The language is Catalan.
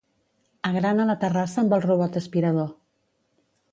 Agrana la terrassa amb el robot aspirador.